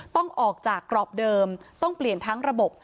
ต้องออกจากกรอบเดิมต้องเปลี่ยนทั้งระบบ